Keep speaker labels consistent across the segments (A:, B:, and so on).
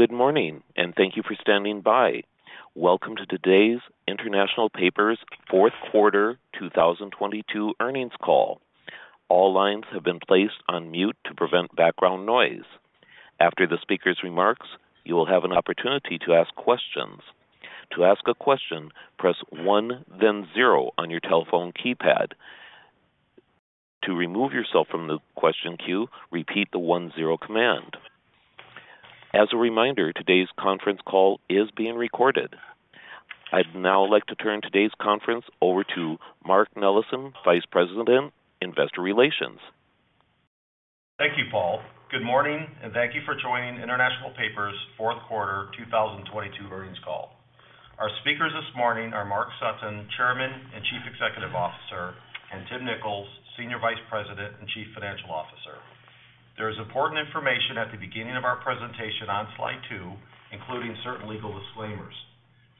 A: Good morning, thank you for standing by. Welcome to today's International Paper's fourth quarter 2022 earnings call. All lines have been placed on mute to prevent background noise. After the speaker's remarks, you will have an opportunity to ask questions. To ask a question, press one then then on your telephone keypad. To remove yourself from the question queue, repeat the one zero command. As a reminder, today's conference call is being recorded. I'd now like to turn today's conference over to Mark Nellessen, Vice President, Investor Relations.
B: Thank you, Paul. Good morning, and thank you for joining International Paper's fourth quarter 2022 earnings call. Our speakers this morning are Mark Sutton, Chairman and Chief Executive Officer, and Tim Nicholls, Senior Vice President and Chief Financial Officer. There is important information at the beginning of our presentation on slide two, including certain legal disclaimers.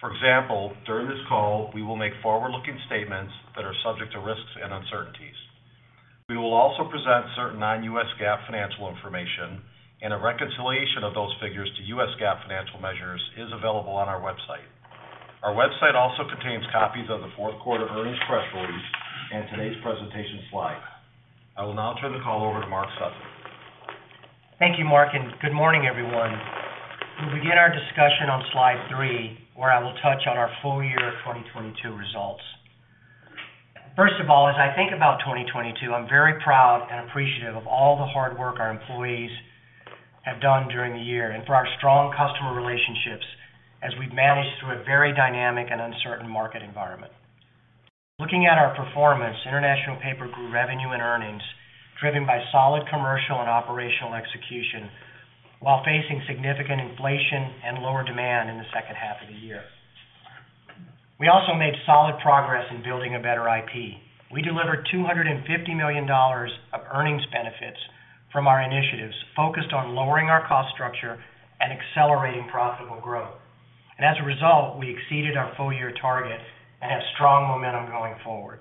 B: For example, during this call, we will make forward-looking statements that are subject to risks and uncertainties. We will also present certain non-US GAAP financial information, and a reconciliation of those figures to US GAAP financial measures is available on our website. Our website also contains copies of the fourth quarter earnings press release and today's presentation slide. I will now turn the call over to Mark Sutton.
C: Thank you, Mark. Good morning, everyone. We'll begin our discussion on slide three, where I will touch on our full year 2022 results. First of all, as I think about 2022, I'm very proud and appreciative of all the hard work our employees have done during the year and for our strong customer relationships as we've managed through a very dynamic and uncertain market environment. Looking at our performance, International Paper grew revenue and earnings, driven by solid commercial and operational execution while facing significant inflation and lower demand in the second half of the year. We also made solid progress in Building a Better IP. We delivered $250 million of earnings benefits from our initiatives focused on lowering our cost structure and accelerating profitable growth. As a result, we exceeded our full year target and have strong momentum going forward.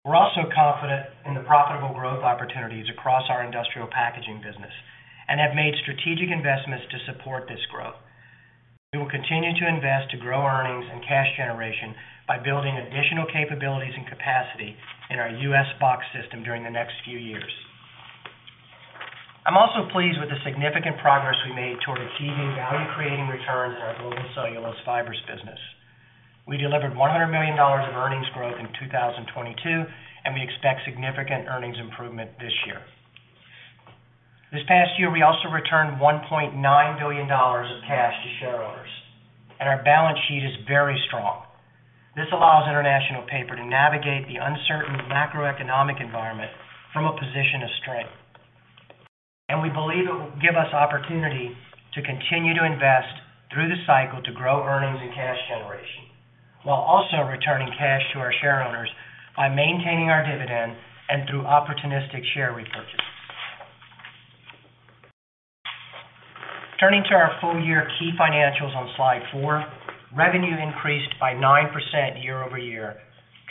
C: We're also confident in the profitable growth opportunities across our industrial packaging business and have made strategic investments to support this growth. We will continue to invest to grow earnings and cash generation by building additional capabilities and capacity in our U.S. box system during the next few years. I'm also pleased with the significant progress we made toward achieving value creating returns in our global cellulose fibers business. We delivered $100 million in earnings growth in 2022, and we expect significant earnings improvement this year. This past year, we also returned $1.9 billion of cash to shareholders, and our balance sheet is very strong. This allows International Paper to navigate the uncertain macroeconomic environment from a position of strength. We believe it will give us opportunity to continue to invest through the cycle to grow earnings and cash generation, while also returning cash to our shareholders by maintaining our dividend and through opportunistic share repurchase. Turning to our full year key financials on slide four, revenue increased by 9% year-over-year,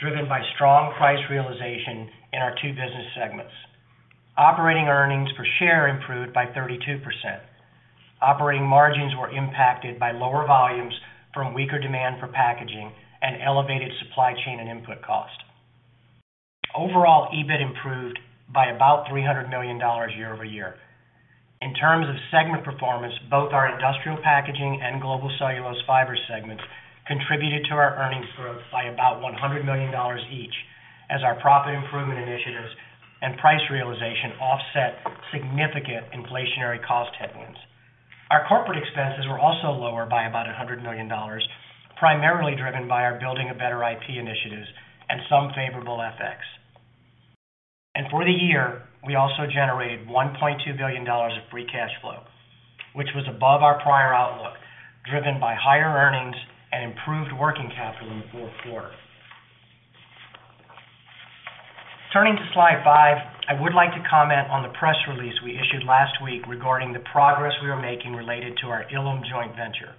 C: driven by strong price realization in our two business segments. Operating earnings per share improved by 32%. Operating margins were impacted by lower volumes from weaker demand for packaging and elevated supply chain and input cost. Overall, EBIT improved by about $300 million year-over-year. In terms of segment performance, both our Industrial Packaging and Global Cellulose Fiber segments contributed to our earnings growth by about $100 million each as our profit improvement initiatives and price realization offset significant inflationary cost headwinds. Our corporate expenses were also lower by about $100 million, primarily driven by our Building a Better IP initiatives and some favorable FX. For the year, we also generated $1.2 billion of free cash flow, which was above our prior outlook, driven by higher earnings and improved working capital in the fourth quarter. Turning to slide five, I would like to comment on the press release we issued last week regarding the progress we are making related to our Ilim joint venture.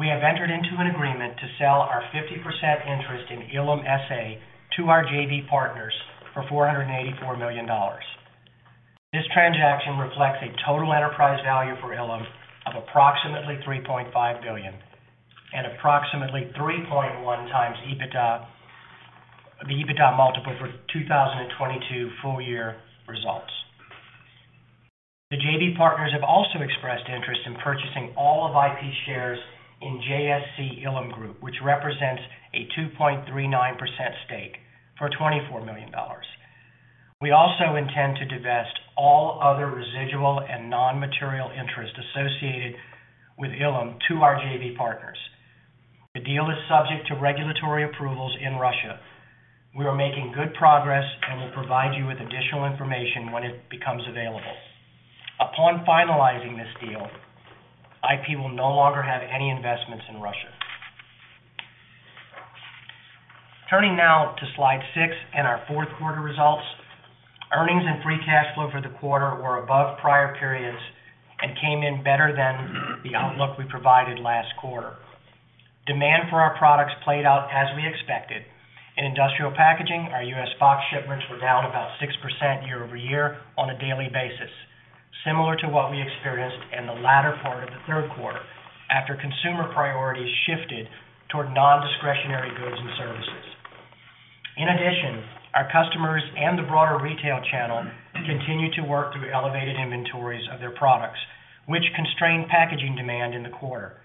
C: We have entered into an agreement to sell our 50% interest in Ilim SA to our JV partners for $484 million. This transaction reflects a total enterprise value for Ilim of approximately $3.5 billion and approximately 3.1x EBITDA, the EBITDA multiple for 2022 full year results. The JV partners have also expressed interest in purchasing all of IP shares in JSC Ilim Group, which represents a 2.39% stake for $24 million. We also intend to divest all other residual and non-material interest associated with Ilim to our JV partners. The deal is subject to regulatory approvals in Russia. We are making good progress and will provide you with additional information when it becomes available. Upon finalizing this deal, IP will no longer have any investments in Russia. Turning now to slide six and our fourth quarter results. Earnings and free cash flow for the quarter were above prior periods and came in better than the outlook we provided last quarter. Demand for our products played out as we expected. In industrial packaging, our U.S. box shipments were down about 6% year-over-year on a daily basis, similar to what we experienced in the latter part of the third quarter after consumer priorities shifted toward non-discretionary goods and services. In addition, our customers and the broader retail channel continued to work through elevated inventories of their products, which constrained packaging demand in the quarter.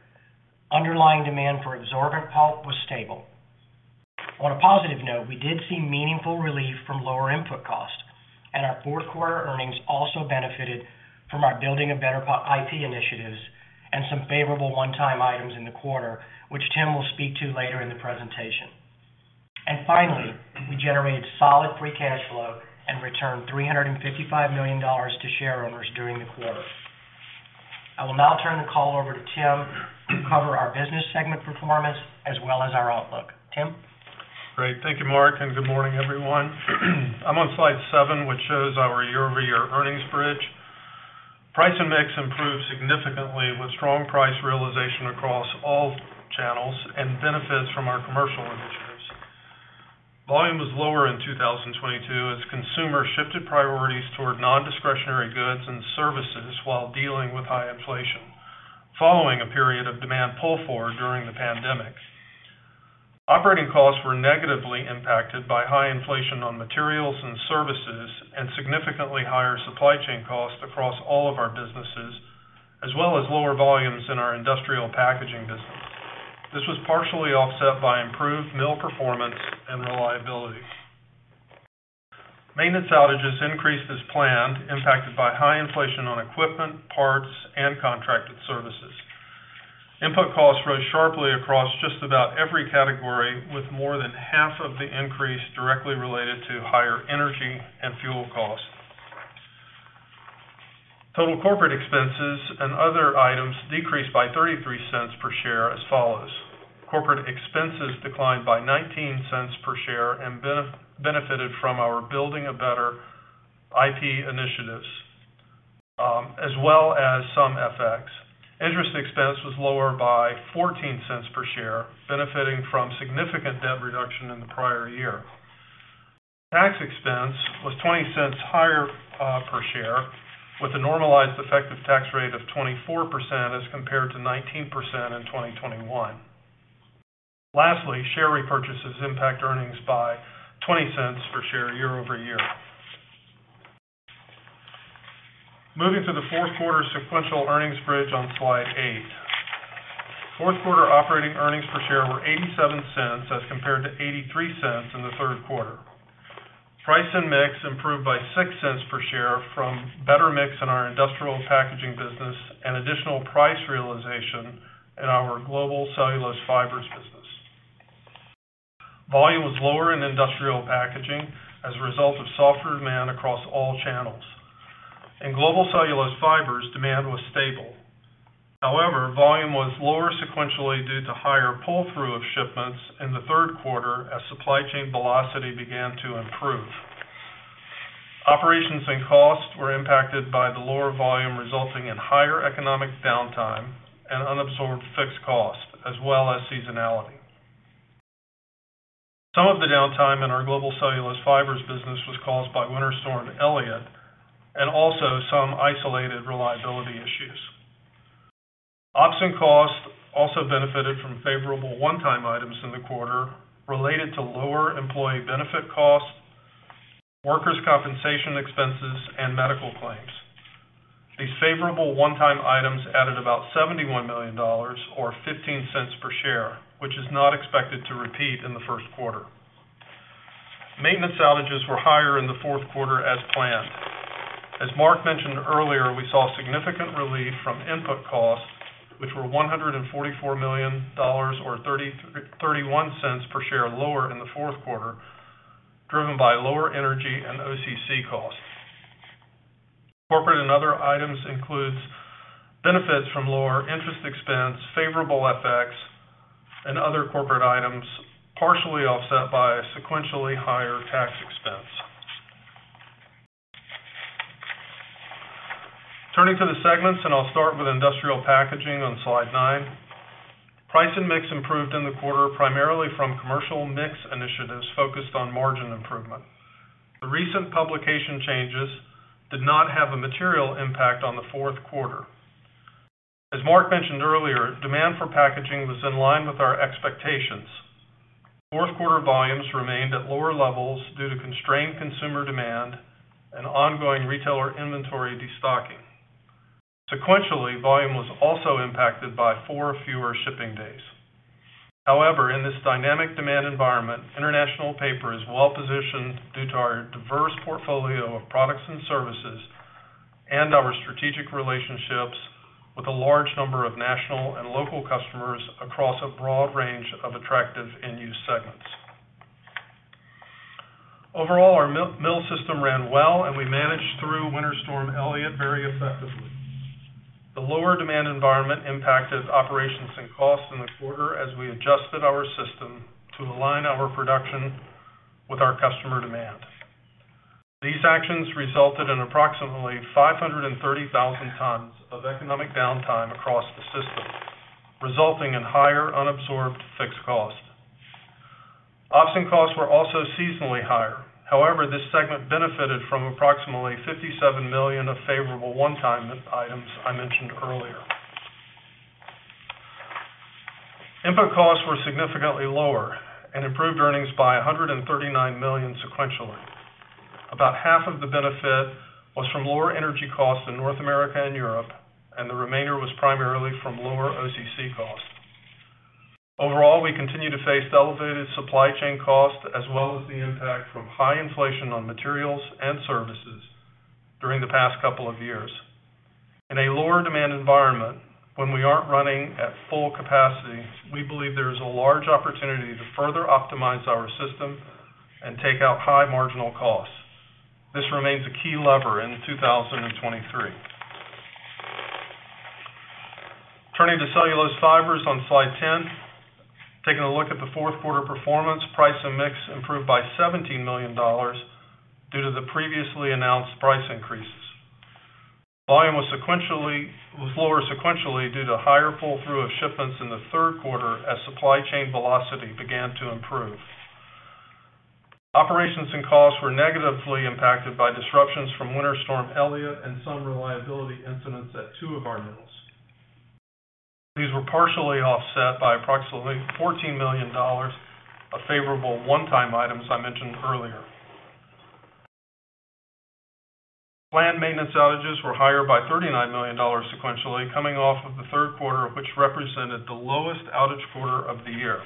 C: Underlying demand for absorbent pulp was stable. On a positive note, we did see meaningful relief from lower input costs, and our fourth quarter earnings also benefited from our Building a Better IP initiatives and some favorable one-time items in the quarter, which Tim will speak to later in the presentation. Finally, we generated solid free cash flow and returned $355 million to shareholders during the quarter. I will now turn the call over to Tim to cover our business segment performance as well as our outlook. Tim?
D: Great. Thank you, Mark. Good morning, everyone. I'm on slide seven, which shows our year-over-year earnings bridge. Price and mix improved significantly with strong price realization across all channels and benefits from our commercial initiatives. Volume was lower in 2022 as consumers shifted priorities toward non-discretionary goods and services while dealing with high inflation, following a period of demand pull forward during the pandemic. Operating costs were negatively impacted by high inflation on materials and services and significantly higher supply chain costs across all of our businesses, as well as lower volumes in our industrial packaging business. This was partially offset by improved mill performance and reliability. Maintenance outages increased as planned, impacted by high inflation on equipment, parts, and contracted services. Input costs rose sharply across just about every category, with more than half of the increase directly related to higher energy and fuel costs. Total corporate expenses and other items decreased by $0.33 per share as follows. Corporate expenses declined by $0.19 per share and benefited from our Building a Better IP initiatives, as well as some FX. Interest expense was lower by $0.14 per share, benefiting from significant debt reduction in the prior year. Tax expense was $0.20 higher per share, with a normalized effective tax rate of 24% as compared to 19% in 2021. Share repurchases impact earnings by $0.20 per share year-over-year. Moving to the fourth quarter sequential earnings bridge on slide eight. Fourth quarter operating earnings per share were $0.87 as compared to $0.83 in the third quarter. Price and mix improved by $0.06 per share from better mix in our industrial and packaging business and additional price realization in our global cellulose fibers business. Volume was lower in industrial packaging as a result of softer demand across all channels. In global cellulose fibers, demand was stable. Volume was lower sequentially due to higher pull-through of shipments in the third quarter as supply chain velocity began to improve. Operations and costs were impacted by the lower volume, resulting in higher economic downtime and unabsorbed fixed costs, as well as seasonality. Some of the downtime in our global cellulose fibers business was caused by Winter Storm Elliott, and also some isolated reliability issues. Ops and costs also benefited from favorable one-time items in the quarter related to lower employee benefit costs, workers' compensation expenses, and medical claims. These favorable one-time items added about $71 million or $0.15 per share, which is not expected to repeat in the first quarter. Maintenance outages were higher in the fourth quarter as planned. As Mark mentioned earlier, we saw significant relief from input costs, which were $144 million or $0.31 per share lower in the fourth quarter, driven by lower energy and OCC costs. Corporate and other items includes benefits from lower interest expense, favorable FX, and other corporate items, partially offset by a sequentially higher tax expense. Turning to the segments, I'll start with industrial packaging on slide 9. Price and mix improved in the quarter, primarily from commercial mix initiatives focused on margin improvement. The recent publication changes did not have a material impact on the fourth quarter. As Mark mentioned earlier, demand for packaging was in line with our expectations. Fourth quarter volumes remained at lower levels due to constrained consumer demand and ongoing retailer inventory destocking. Sequentially, volume was also impacted by four fewer shipping days. However, in this dynamic demand environment, International Paper is well-positioned due to our diverse portfolio of products and services and our strategic relationships with a large number of national and local customers across a broad range of attractive end-use segments. Overall, our mill-to-mill system ran well, and we managed through Winter Storm Elliott very effectively. The lower demand environment impacted operations and costs in the quarter as we adjusted our system to align our production with our customer demand. These actions resulted in approximately 530,000 tons of economic downtime across the system, resulting in higher unabsorbed fixed cost. Ops and costs were also seasonally higher. However, this segment benefited from approximately $57 million of favorable one-time items I mentioned earlier. Input costs were significantly lower and improved earnings by $139 million sequentially. About half of the benefit was from lower energy costs in North America and Europe, and the remainder was primarily from lower OCC costs. Overall, we continue to face elevated supply chain costs as well as the impact from high inflation on materials and services during the past couple of years. In a lower demand environment, when we aren't running at full capacity, we believe there is a large opportunity to further optimize our system and take out high marginal costs. This remains a key lever in 2023. Turning to cellulose fibers on slide 10. Taking a look at the fourth quarter performance, price and mix improved by $17 million due to the previously announced price increases. Volume was lower sequentially due to higher pull-through of shipments in the third quarter as supply chain velocity began to improve. Operations and costs were negatively impacted by disruptions from Winter Storm Elliott and some reliability incidents at two of our mills. These were partially offset by approximately $14 million of favorable one-time items I mentioned earlier. Planned maintenance outages were higher by $39 million sequentially, coming off of the third quarter, of which represented the lowest outage quarter of the year.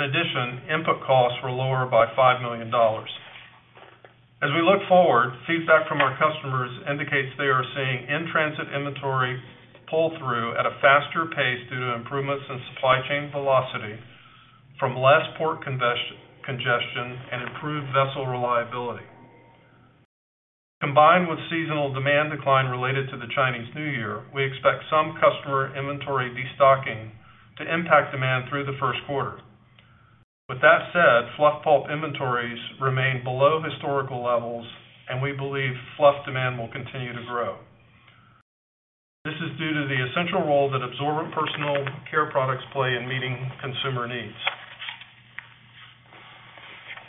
D: In addition, input costs were lower by $5 million. As we look forward, feedback from our customers indicates they are seeing in-transit inventory pull-through at a faster pace due to improvements in supply chain velocity from less port congestion and improved vessel reliability. Combined with seasonal demand decline related to the Chinese New Year, we expect some customer inventory destocking to impact demand through the first quarter. With that said, fluff pulp inventories remain below historical levels, and we believe fluff demand will continue to grow. This is due to the essential role that absorbent personal care products play in meeting consumer needs.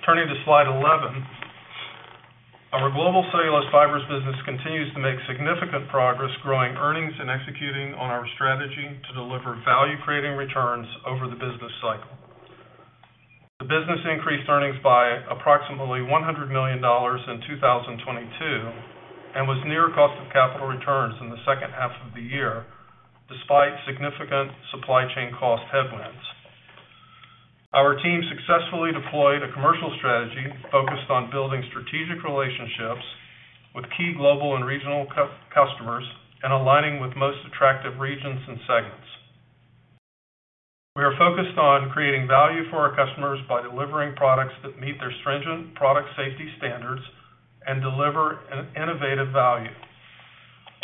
D: Turning to slide 11. Our global cellulose fibers business continues to make significant progress growing earnings and executing on our strategy to deliver value-creating returns over the business cycle. The business increased earnings by approximately $100 million in 2022 and was near cost of capital returns in the second half of the year, despite significant supply chain cost headwinds. Our team successfully deployed a commercial strategy focused on building strategic relationships with key global and regional customers and aligning with most attractive regions and segments. We are focused on creating value for our customers by delivering products that meet their stringent product safety standards and deliver an innovative value.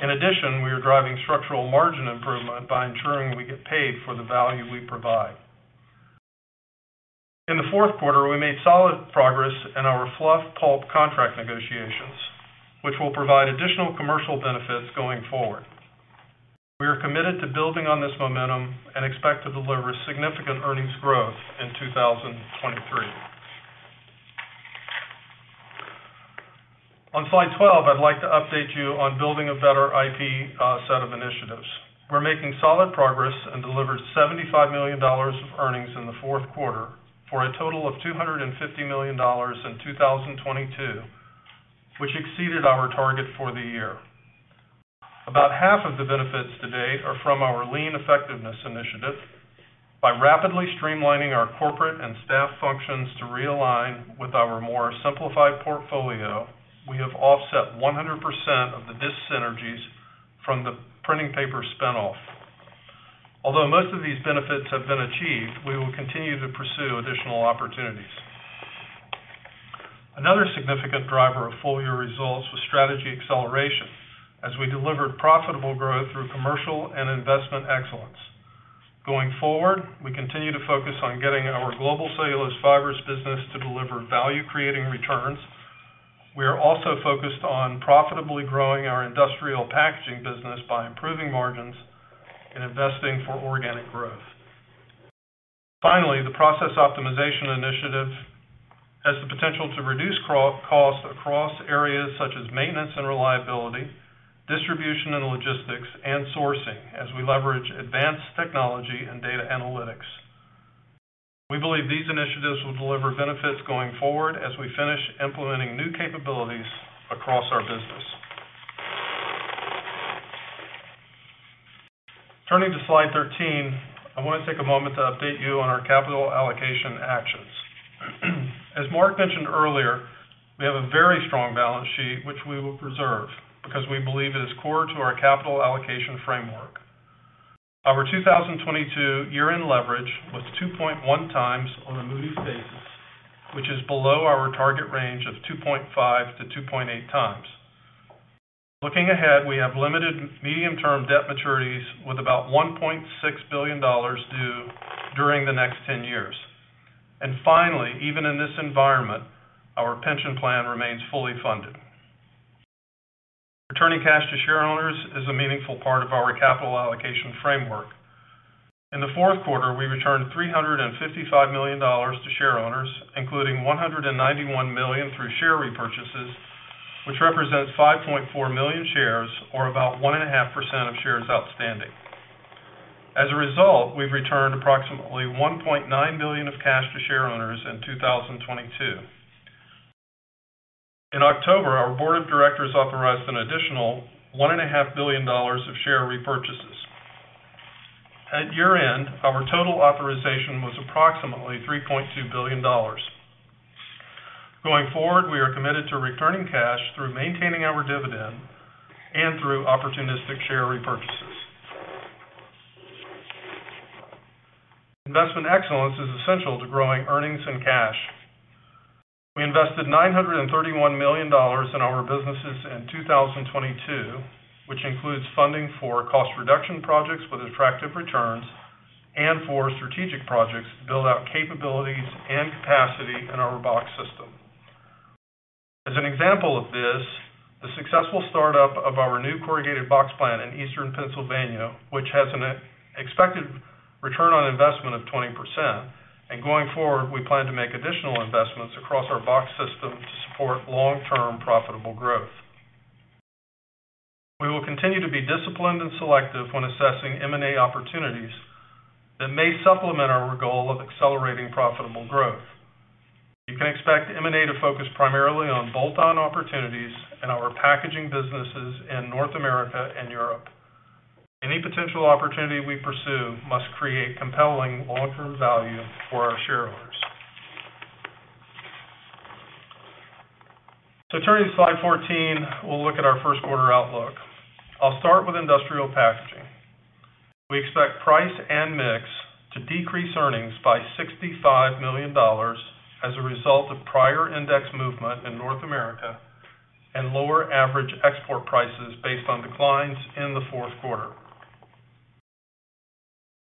D: We are driving structural margin improvement by ensuring we get paid for the value we provide. In the fourth quarter, we made solid progress in our fluff pulp contract negotiations, which will provide additional commercial benefits going forward. We are committed to building on this momentum and expect to deliver significant earnings growth in 2023. On slide 12, I'd like to update you on Building a Better IP set of initiatives. We're making solid progress and delivered $75 million of earnings in the fourth quarter for a total of $250 million in 2022, which exceeded our target for the year. About half of the benefits to date are from our lean effectiveness initiative. By rapidly streamlining our corporate and staff functions to realign with our more simplified portfolio, we have offset 100% of the dis-synergies from the printing paper spin-off. Although most of these benefits have been achieved, we will continue to pursue additional opportunities. Another significant driver of full-year results was strategy acceleration as we delivered profitable growth through commercial and investment excellence. Going forward, we continue to focus on getting our global cellulose fibers business to deliver value-creating returns. We are also focused on profitably growing our industrial packaging business by improving margins and investing for organic growth. Finally, the process optimization initiative has the potential to reduce costs across areas such as maintenance and reliability, distribution and logistics, and sourcing as we leverage advanced technology and data analytics. We believe these initiatives will deliver benefits going forward as we finish implementing new capabilities across our business. Turning to slide 13, I want to take a moment to update you on our capital allocation actions. As Mark mentioned earlier, we have a very strong balance sheet which we will preserve because we believe it is core to our capital allocation framework. Our 2022 year-end leverage was 2.1x on a Moody's basis, which is below our target range of 2.5x-2.8x. Looking ahead, we have limited medium-term debt maturities with about $1.6 billion due during the next 10 years. Finally, even in this environment, our pension plan remains fully funded. Returning cash to shareholders is a meaningful part of our capital allocation framework. In the fourth quarter, we returned $355 million to shareholders, including $191 million through share repurchases, which represents 5.4 million shares, or about 1.5% of shares outstanding. As a result, we've returned approximately $1.9 billion of cash to share owners in 2022. In October, our board of directors authorized an additional one and a half billion dollars of share repurchases. At year-end, our total authorization was approximately $3.2 billion. Going forward, we are committed to returning cash through maintaining our dividend and through opportunistic share repurchases. Investment excellence is essential to growing earnings and cash. We invested $931 million in our businesses in 2022, which includes funding for cost reduction projects with attractive returns and for strategic projects to build out capabilities and capacity in our box system. As an example of this, the successful start-up of our new corrugated box plant in eastern Pennsylvania, which has an expected return on investment of 20%. Going forward, we plan to make additional investments across our box system to support long-term profitable growth. We will continue to be disciplined and selective when assessing M&A opportunities that may supplement our goal of accelerating profitable growth. You can expect M&A to focus primarily on bolt-on opportunities in our packaging businesses in North America and Europe. Any potential opportunity we pursue must create compelling long-term value for our shareholders. Turning to slide 14, we'll look at our first quarter outlook. I'll start with industrial packaging. We expect price and mix to decrease earnings by $65 million as a result of prior index movement in North America and lower average export prices based on declines in the fourth quarter.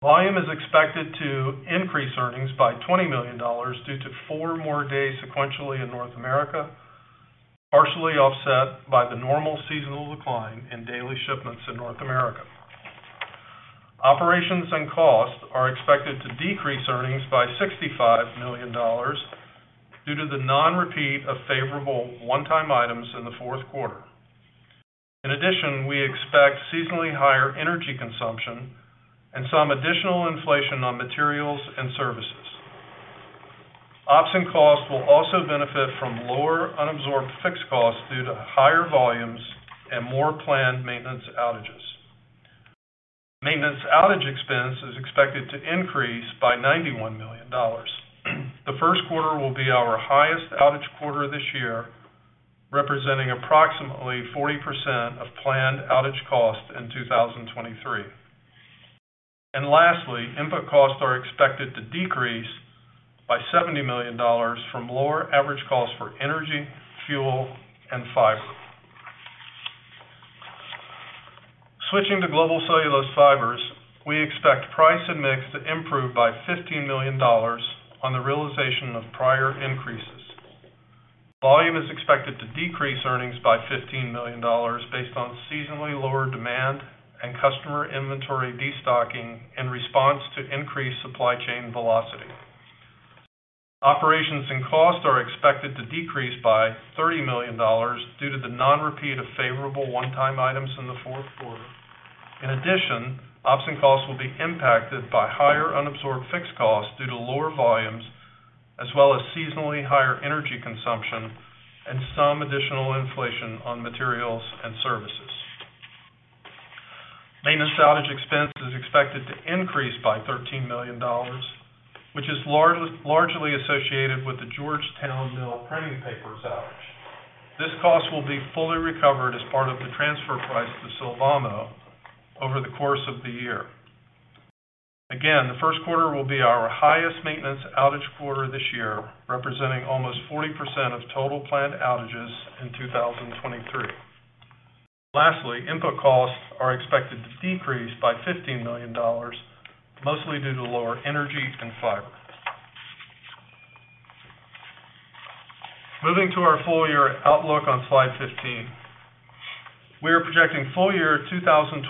D: Volume is expected to increase earnings by $20 million due to four more days sequentially in North America, partially offset by the normal seasonal decline in daily shipments in North America. Operations and costs are expected to decrease earnings by $65 million due to the non-repeat of favorable one-time items in the fourth quarter. We expect seasonally higher energy consumption and some additional inflation on materials and services. Ops and costs will also benefit from lower unabsorbed fixed costs due to higher volumes and more planned maintenance outages. Maintenance outage expense is expected to increase by $91 million. The first quarter will be our highest outage quarter this year, representing approximately 40% of planned outage costs in 2023. Lastly, input costs are expected to decrease by $70 million from lower average costs for energy, fuel, and fiber. Switching to global cellulose fibers, we expect price and mix to improve by $15 million on the realization of prior increases. Volume is expected to decrease earnings by $15 million based on seasonally lower demand and customer inventory destocking in response to increased supply chain velocity. Operations and costs are expected to decrease by $30 million due to the non-repeat of favorable one-time items in the fourth quarter. In addition, ops and costs will be impacted by higher unabsorbed fixed costs due to lower volumes, as well as seasonally higher energy consumption and some additional inflation on materials and services. Maintenance outage expense is expected to increase by $13 million, which is largely associated with the Georgetown Mill printing paper outage. This cost will be fully recovered as part of the transfer price to Sylvamo over the course of the year. The first quarter will be our highest maintenance outage quarter this year, representing almost 40% of total planned outages in 2023. Input costs are expected to decrease by $15 million, mostly due to lower energy and fiber. Moving to our full-year outlook on slide 15. We are projecting full-year 2023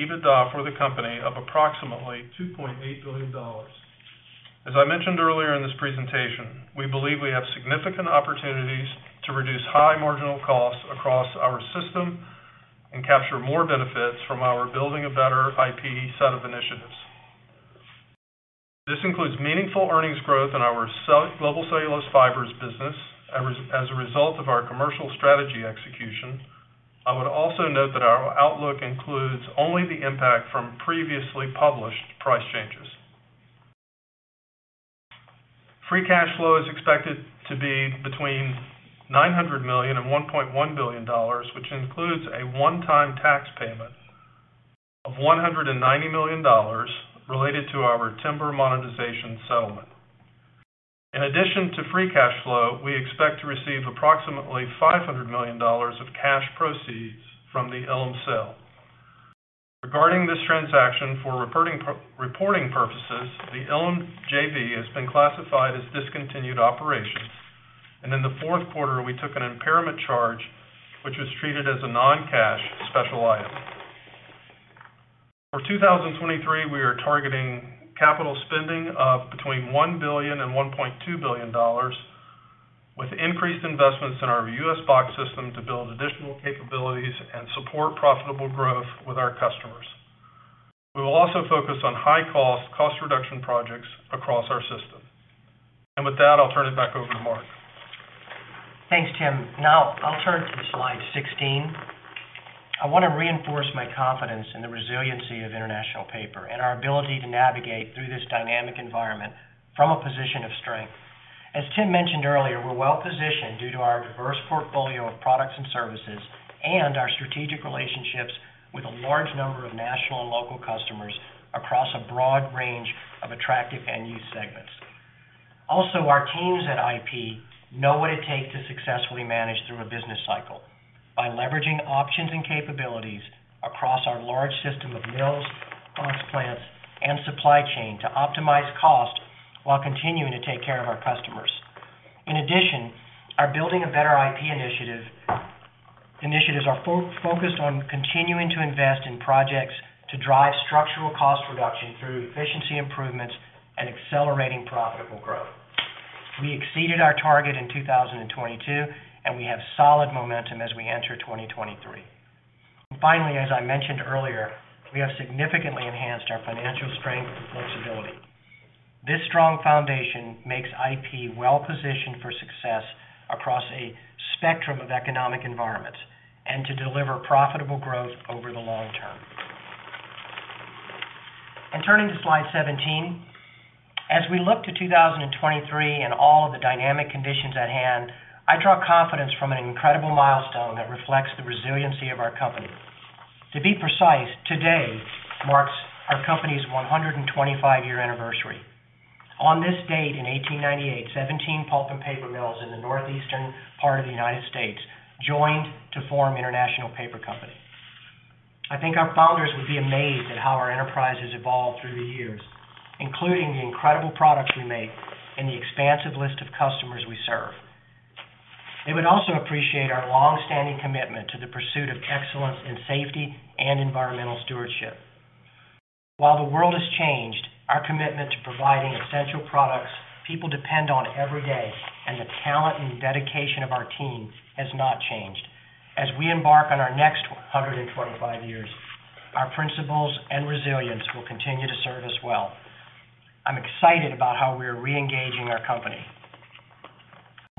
D: EBITDA for the company of approximately $2.8 billion. As I mentioned earlier in this presentation, we believe we have significant opportunities to reduce high marginal costs across our system and capture more benefits from our Building a Better IP set of initiatives. This includes meaningful earnings growth in our global cellulose fibers business as a result of our commercial strategy execution. I would also note that our outlook includes only the impact from previously published price changes. Free cash flow is expected to be between $900 million and $1.1 billion, which includes a one-time tax payment of $190 million related to our timber monetization settlement. In addition to free cash flow, we expect to receive approximately $500 million of cash proceeds from the Ilim sale. Regarding this transaction for reporting purposes, the Ilim JV has been classified as discontinued operations. In the fourth quarter, we took an impairment charge, which was treated as a non-cash special item. For 2023, we are targeting capital spending of between $1 billion and $1.2 billion, with increased investments in our U.S. box system to build additional capabilities and support profitable growth with our customers. We will also focus on high cost reduction projects across our system. With that, I'll turn it back over to Mark.
C: Thanks, Tim. I'll turn to slide 16. I want to reinforce my confidence in the resiliency of International Paper and our ability to navigate through this dynamic environment from a position of strength. As Tim mentioned earlier, we're well-positioned due to our diverse portfolio of products and services and our strategic relationships with a large number of national and local customers across a broad range of attractive end use segments. Our teams at IP know what it takes to successfully manage through a business cycle by leveraging options and capabilities across our large system of mills, box plants, and supply chain to optimize cost while continuing to take care of our customers. Our Building a Better IP initiatives are focused on continuing to invest in projects to drive structural cost reduction through efficiency improvements and accelerating profitable growth. We exceeded our target in 2022, and we have solid momentum as we enter 2023. Finally, as I mentioned earlier, we have significantly enhanced our financial strength and flexibility. This strong foundation makes IP well-positioned for success across a spectrum of economic environments and to deliver profitable growth over the long term. Turning to slide 17. As we look to 2023 and all of the dynamic conditions at hand, I draw confidence from an incredible milestone that reflects the resiliency of our company. To be precise, today marks our company's 125-year anniversary. On this date in 1898, 17 pulp and paper mills in the northeastern part of the United States joined to form International Paper Company. I think our founders would be amazed at how our enterprise has evolved through the years, including the incredible products we make and the expansive list of customers we serve. They would also appreciate our long-standing commitment to the pursuit of excellence in safety and environmental stewardship. While the world has changed, our commitment to providing essential products people depend on every day, and the talent and dedication of our team has not changed. As we embark on our next 125 years, our principles and resilience will continue to serve us well. I'm excited about how we are reengaging our company.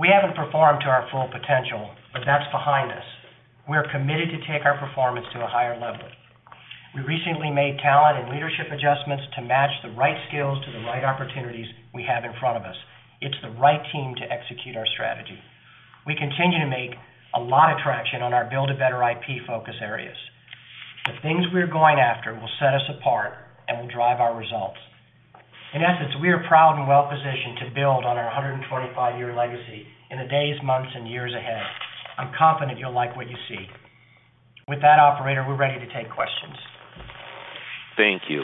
C: We haven't performed to our full potential, but that's behind us. We are committed to take our performance to a higher level. We recently made talent and leadership adjustments to match the right skills to the right opportunities we have in front of us. It's the right team to execute our strategy. We continue to make a lot of traction on our Build a Better IP focus areas. The things we are going after will set us apart and will drive our results. In essence, we are proud and well-positioned to build on our 125 year legacy in the days, months, and years ahead. I'm confident you'll like what you see. Operator, we're ready to take questions.
A: Thank you.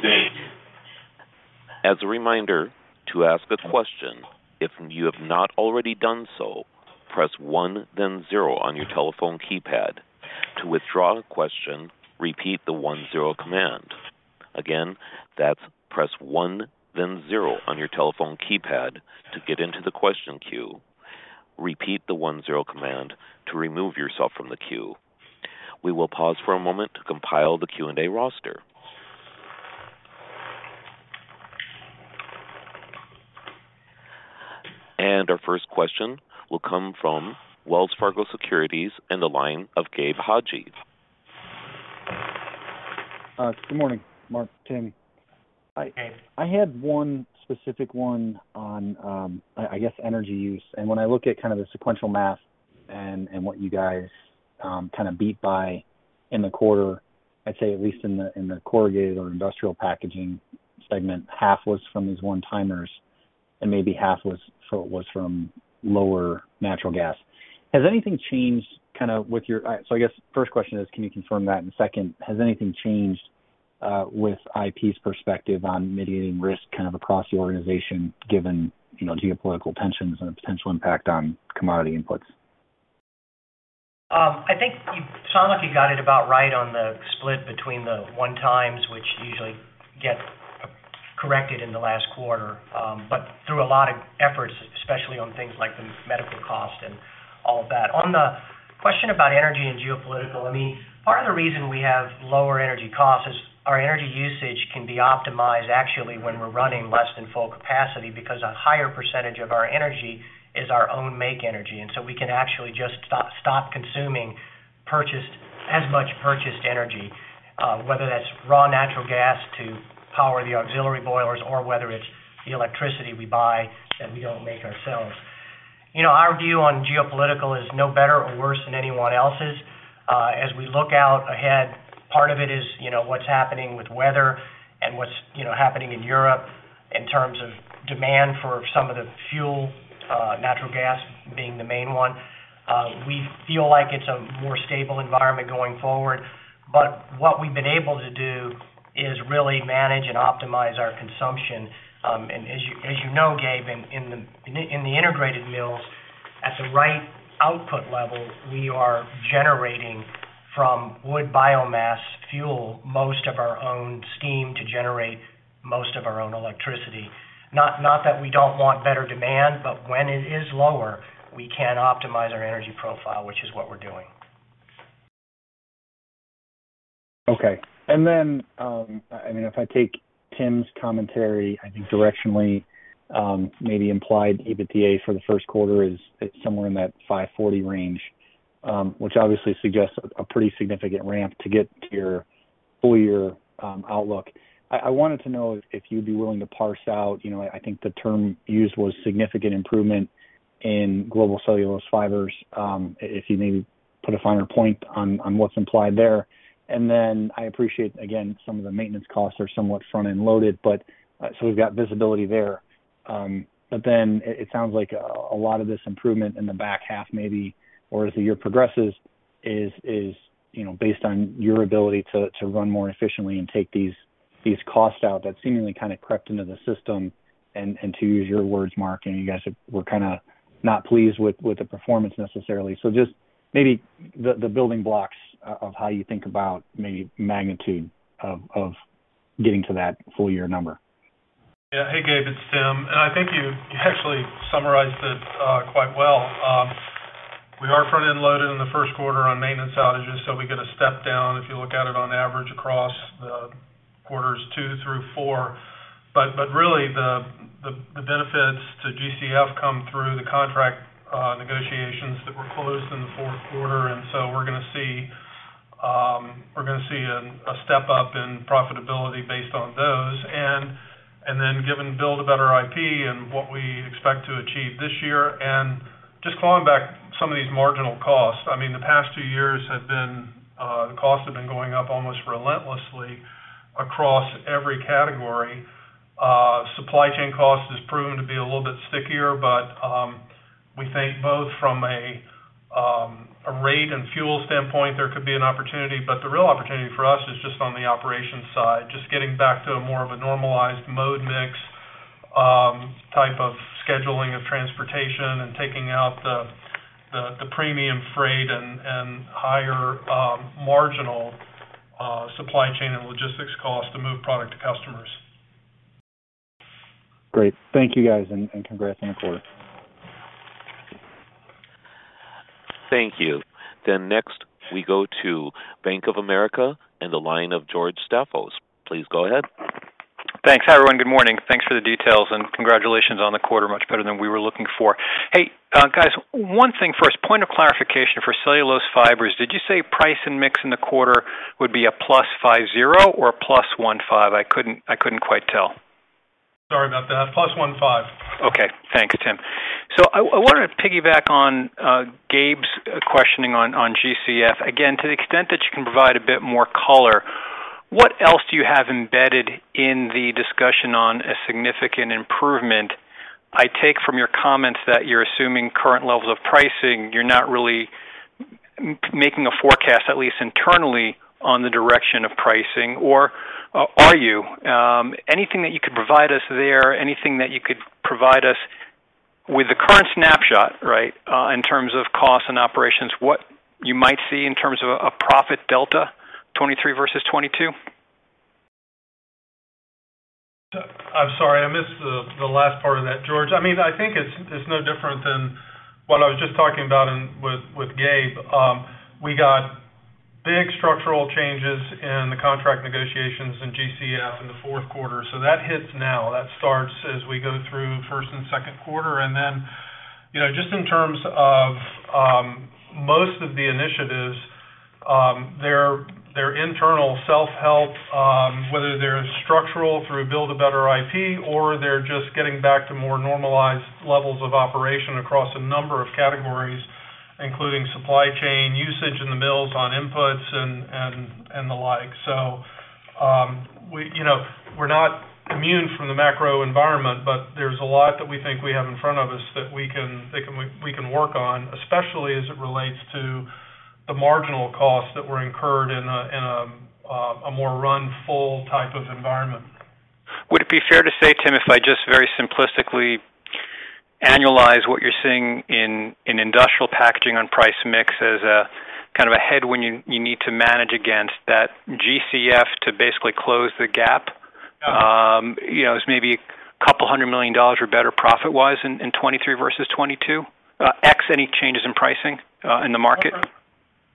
A: As a reminder, to ask a question, if you have not already done so, press one, then zero on your telephone keypad. To withdraw a question, repeat the one zero command. That's press one, then zero on your telephone keypad to get into the question queue. Repeat the one zero command to remove yourself from the queue. We will pause for a moment to compile the Q&A roster. Our first question will come from Wells Fargo Securities and the line of Gabe Hajde.
E: Good morning, Mark, Tim.
C: Hi.
E: I had one specific one on, I guess energy use. When I look at kind of the sequential math and what you guys kind of beat by in the quarter, I'd say at least in the corrugated or industrial packaging segment, half was from these one-timers and maybe half was from lower natural gas. First question is, can you confirm that? Second, has anything changed with IP's perspective on mitigating risk kind of across the organization, given, you know, geopolitical tensions and the potential impact on commodity inputs?
C: I think it sound like you got it about right on the split between the one times, which usually get corrected in the last quarter, but through a lot of efforts, especially on things like the medical cost and all of that. On the question about energy and geopolitical, I mean, part of the reason we have lower energy costs is our energy usage can be optimized, actually, when we're running less than full capacity because a higher percentage of our energy is our own make energy. We can actually just stop consuming as much purchased energy, whether that's raw natural gas to power the auxiliary boilers or whether it's the electricity we buy that we don't make ourselves. You know, our view on geopolitical is no better or worse than anyone else's. As we look out ahead, part of it is, you know, what's happening with weather and what's, you know, happening in Europe in terms of demand for some of the fuel, natural gas being the main one. We feel like it's a more stable environment going forward. What we've been able to do is really manage and optimize our consumption. And as you know, Gabe, in the integrated mills, at the right output level, we are generating from wood biomass fuel most of our own steam to generate most of our own electricity. Not that we don't want better demand, but when it is lower, we can optimize our energy profile, which is what we're doing.
E: Okay. I mean, if I take Tim's commentary, I think directionally, maybe implied EBITDA for the first quarter is somewhere in that $540 range, which obviously suggests a pretty significant ramp to get to your full year outlook. I wanted to know if you'd be willing to parse out, you know, I think the term used was significant improvement in Global Cellulose Fibers, if you maybe put a finer point on what's implied there. I appreciate, again, some of the maintenance costs are somewhat front-end loaded, but so we've got visibility there. It sounds like a lot of this improvement in the back half maybe or as the year progresses is, you know, based on your ability to run more efficiently and take these costs out that seemingly kind of crept into the system and to use your words, Mark, and you guys were kinda not pleased with the performance necessarily. Just maybe the building blocks of how you think about maybe magnitude of getting to that full year number?
D: Hey, Gabe, it's Tim. I think you actually summarized it quite well. We are front-end loaded in the first quarter on maintenance outages, so we get a step down if you look at it on average across the quarters two through four. Really the benefits to GCF come through the contract negotiations that were closed in the fourth quarter. We're gonna see a step up in profitability based on those. Then given Build a Better IP and what we expect to achieve this year and just clawing back some of these marginal costs. I mean, the past two years have been the costs have been going up almost relentlessly across every category. Supply chain cost has proven to be a little bit stickier, but we think both from a rate and fuel standpoint, there could be an opportunity, but the real opportunity for us is just on the operations side, just getting back to more of a normalized mode mix type of scheduling of transportation and taking out the premium freight and higher marginal supply chain and logistics costs to move product to customers.
E: Great. Thank you, guys, and congrats on the quarter.
A: Thank you. Next we go to Bank of America in the line of George Staphos. Please go ahead.
F: Thanks. Hi, everyone. Good morning. Thanks for the details and congratulations on the quarter. Much better than we were looking for. Hey, guys, one thing first, point of clarification for cellulose fibers. Did you say price and mix in the quarter would be a +50 or a +15? I couldn't quite tell.
D: Sorry about that. +15.
F: Okay. Thanks, Tim. I wanted to piggyback on Gabe's questioning on GCF. Again, to the extent that you can provide a bit more color, what else do you have embedded in the discussion on a significant improvement? I take from your comments that you're assuming current levels of pricing, you're not really making a forecast, at least internally, on the direction of pricing, or, are you? Anything that you could provide us there? Anything that you could provide us with the current snapshot in terms of costs and operations, what you might see in terms of a profit delta, 2023 versus 2022?
D: I'm sorry, I missed the last part of that, George. I mean, I think it's no different than what I was just talking about with Gabe. We got big structural changes in the contract negotiations in GCF in the fourth quarter. That hits now. That starts as we go through first and second quarter. Then, you know, just in terms of most of the initiatives, they're internal self-help, whether they're structural through Building a Better IP or they're just getting back to more normalized levels of operation across a number of categories, including supply chain usage in the mills on inputs and the like. We, you know, we're not immune from the macro environment, but there's a lot that we think we have in front of us that we can work on, especially as it relates to the marginal costs that were incurred in a, in a more run full type of environment.
F: Would it be fair to say, Tim, if I just very simplistically annualize what you're seeing in industrial packaging on price mix as a kind of a headwind you need to manage against that GCF to basically close the gap? You know, as maybe a couple hundred million dollars or better profit-wise in 2023 versus 2022, x any changes in pricing in the market?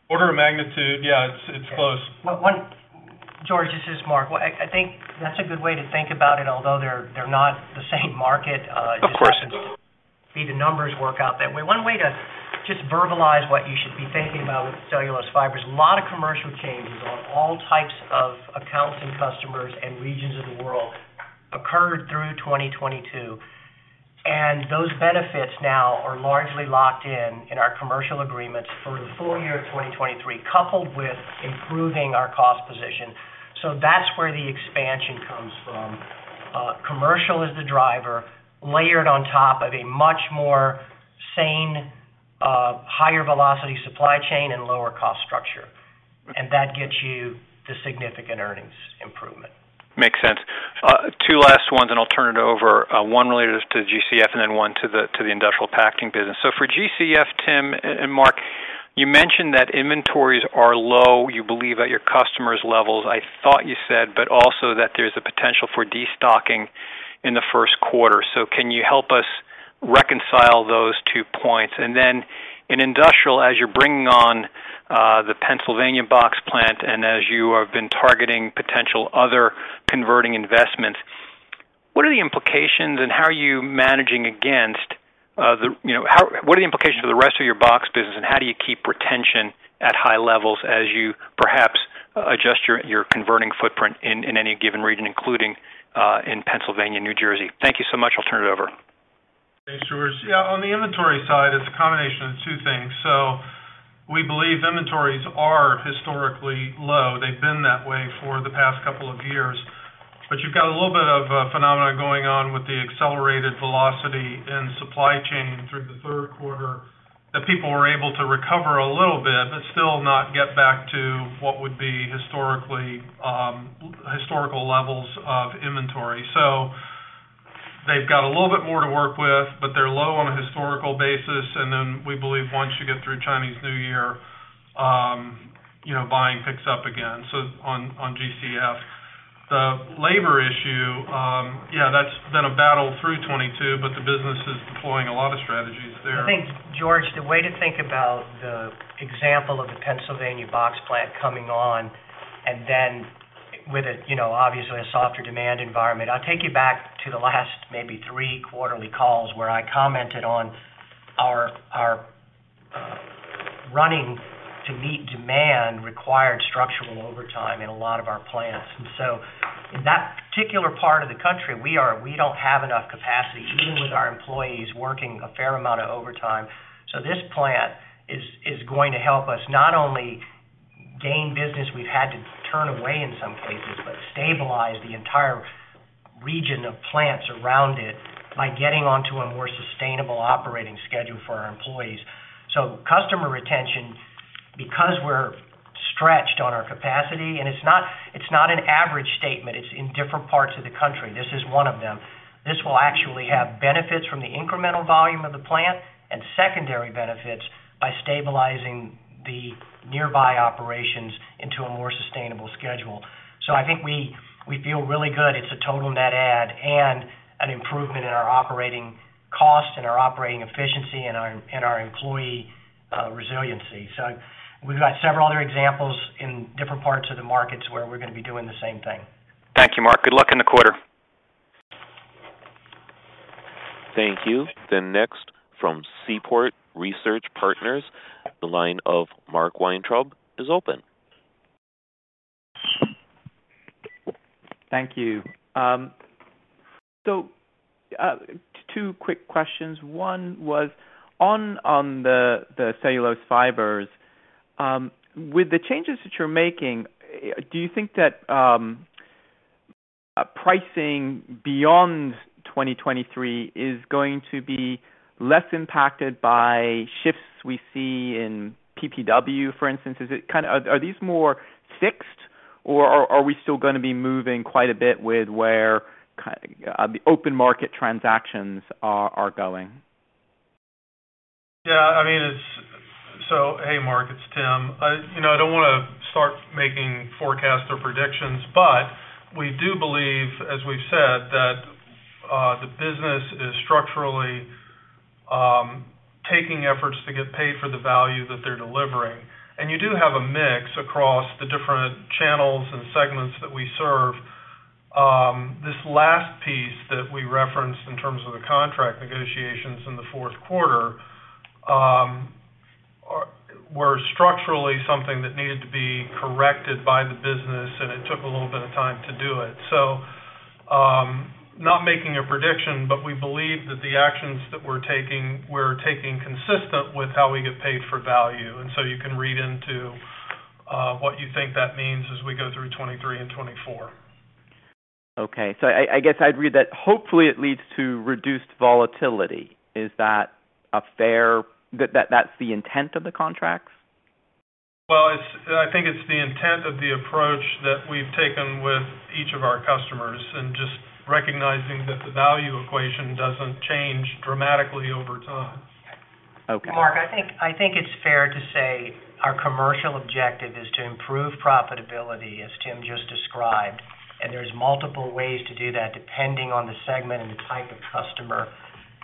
D: Order of magnitude. Yeah, it's close.
C: George, this is Mark. I think that's a good way to think about it, although they're not the same market.
F: Of course.
C: The numbers work out that way. One way to just verbalize what you should be thinking about with cellulose fibers, a lot of commercial changes on all types of accounts and customers and regions of the world occurred through 2022. Those benefits now are largely locked in in our commercial agreements for the full year of 2023, coupled with improving our cost position. That's where the expansion comes from. Commercial is the driver layered on top of a much more sane, higher velocity supply chain and lower cost structure. That gets you the significant earnings improvement.
F: Makes sense. Two last ones, and I'll turn it over. One related to GCF and then one to the industrial packing business. For GCF, Tim and Mark, you mentioned that inventories are low, you believe at your customers' levels, I thought you said, but also that there's a potential for destocking in the 1st quarter. Can you help us reconcile those two points? And then in industrial, as you're bringing on the Pennsylvania box plant and as you have been targeting potential other converting investments, what are the implications and how are you managing against the, you know, what are the implications for the rest of your box business, and how do you keep retention at high levels as you perhaps adjust your converting footprint in any given region, including in Pennsylvania, New Jersey? Thank you so much. I'll turn it over.
D: Thanks, George. Yeah, on the inventory side, it's a combination of two things. We believe inventories are historically low. They've been that way for the past couple of years, but you've got a little bit of a phenomenon going on with the accelerated velocity in supply chain through the third quarter that people were able to recover a little bit, but still not get back to what would be historically historical levels of inventory. They've got a little bit more to work with, but they're low on a historical basis, and then we believe once you get through Chinese New Year, you know, buying picks up again. On GCF. The labor issue, yeah, that's been a battle through 2022, but the business is deploying a lot of strategies there.
C: I think, George, the way to think about the example of the Pennsylvania box plant coming on and then with a, you know, obviously a softer demand environment. I'll take you back to the last maybe three quarterly calls where I commented on our running to meet demand required structural overtime in a lot of our plants. In that particular part of the country, we don't have enough capacity, even with our employees working a fair amount of overtime. This plant is going to help us not only gain business we've had to turn away in some cases, but stabilize the entire region of plants around it by getting onto a more sustainable operating schedule for our employees. Customer retention, because we're stretched on our capacity, and it's not an average statement, it's in different parts of the country. This is one of them. This will actually have benefits from the incremental volume of the plant and secondary benefits by stabilizing the nearby operations into a more sustainable schedule. I think we feel really good. It's a total net add and an improvement in our operating costs and our operating efficiency and our, and our employee resiliency. We've got several other examples in different parts of the markets where we're gonna be doing the same thing.
F: Thank you, Mark. Good luck in the quarter.
A: Thank you. Next from Seaport Research Partners, the line of Mark Weintraub is open.
G: Thank you. Two quick questions. One was on the cellulose fibers, with the changes that you're making, do you think that pricing beyond 2023 is going to be less impacted by shifts we see in PPW, for instance? Are these more fixed, or are we still gonna be moving quite a bit with where the open market transactions are going?
D: I mean, hey, Mark, it's Tim. I, you know, I don't wanna start making forecasts or predictions, but we do believe, as we've said, that the business is structurally taking efforts to get paid for the value that they're delivering. You do have a mix across the different channels and segments that we serve. This last piece that we referenced in terms of the contract negotiations in the fourth quarter, were structurally something that needed to be corrected by the business, and it took a little bit of time to do it. Not making a prediction, but we believe that the actions that we're taking, we're taking consistent with how we get paid for value. You can read into what you think that means as we go through 2023 and 2024.
G: Okay. I guess I'd read that hopefully it leads to reduced volatility. Is that a fair... That's the intent of the contracts?
D: Well, I think it's the intent of the approach that we've taken with each of our customers and just recognizing that the value equation doesn't change dramatically over time.
G: Okay.
C: Mark, I think it's fair to say our commercial objective is to improve profitability, as Tim just described. There's multiple ways to do that depending on the segment and the type of customer.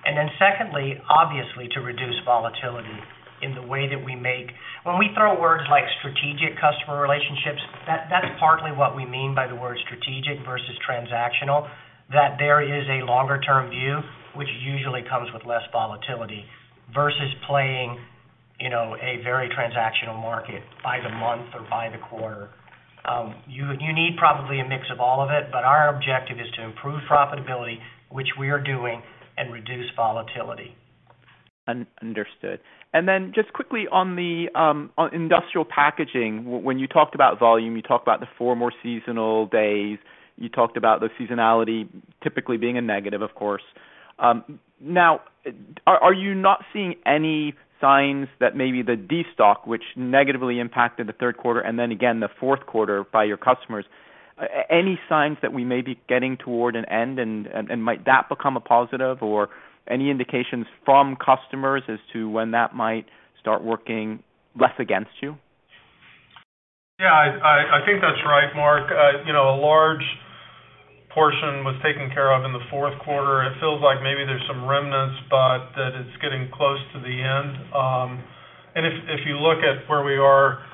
C: Then secondly, obviously, to reduce volatility in the way that. When we throw words like strategic customer relationships, that's partly what we mean by the word strategic versus transactional, that there is a longer term view, which usually comes with less volatility versus playing, you know, a very transactional market by the month or by the quarter. You need probably a mix of all of it, our objective is to improve profitability, which we are doing, and reduce volatility.
G: Un-understood. Then just quickly on the on industrial packaging, when you talked about volume, you talked about the four more seasonal days, you talked about the seasonality typically being a negative, of course. Now are you not seeing any signs that maybe the destock, which negatively impacted the third quarter and then again the fourth quarter by your customers, any signs that we may be getting toward an end and might that become a positive or any indications from customers as to when that might start working less against you?
D: Yeah, I think that's right, Mark. You know, a large portion was taken care of in the fourth quarter. It feels like maybe there's some remnants, but that it's getting close to the end. If you look at where we are